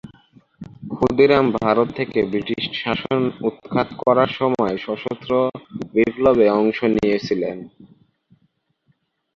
ক্ষুদিরাম ভারত থেকে ব্রিটিশ শাসন উৎখাত করার জন্য সশস্ত্র বিপ্লবে অংশ নিয়েছিলেন।